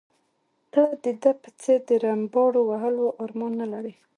ته د ده په څېر د رمباړو وهلو ارمان نه لرې.